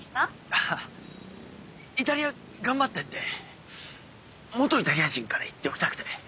あぁイタリア頑張ってって元「イタリア人」から言っておきたくて。